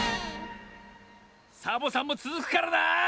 サボさんもつづくからな！